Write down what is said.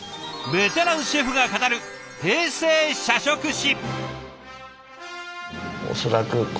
ベテランシェフが語る「平成社食史」。